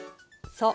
そう。